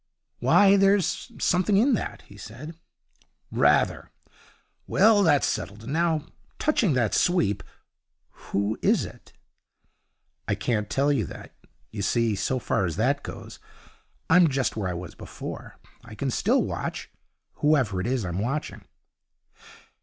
'Why, there's something in that,' he said. 'Rather! Well, that's settled. And now, touching that sweep, who is it?' 'I can't tell you that. You see, so far as that goes, I'm just where I was before. I can still watch whoever it is I'm watching.'